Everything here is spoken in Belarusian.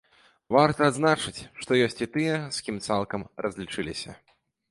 Варта адзначыць, што ёсць і тыя, з кім цалкам разлічыліся.